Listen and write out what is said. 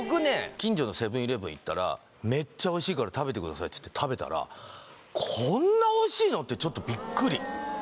近所のセブン−イレブン行ったらめっちゃおいしいから食べてくださいっつって食べたらってちょっとビックリ